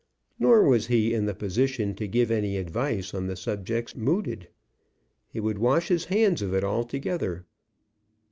Nor was he in the position to give any advice on the subjects mooted. He would wash his hands of it altogether.